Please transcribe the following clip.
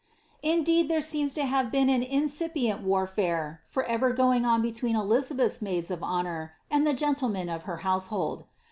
Indeed, there seems to have been an incipient warfare for ever going on between Elizabeth's maids of honour and the gentlemen of her house hold.